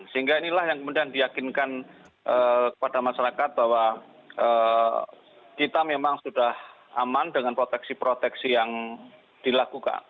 sehingga inilah yang kemudian diyakinkan kepada masyarakat bahwa kita memang sudah aman dengan proteksi proteksi yang dilakukan